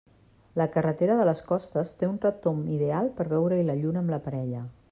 La carretera de les Costes té un retomb ideal per veure-hi la lluna amb la parella.